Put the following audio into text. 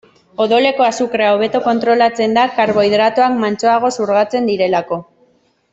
Odoleko azukrea hobeto kontrolatzen da, karbohidratoak mantsoago xurgatzen direlako.